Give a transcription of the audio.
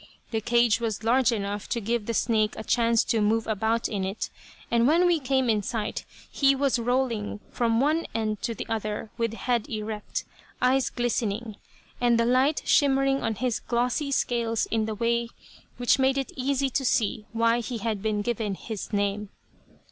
The cage was large enough to give the snake a chance to move about in it, and when we came in sight he was rolling from one end to the other with head erect, eyes glistening, and the light shimmering on his glossy scales in a way which made it easy to see why he had been given his name.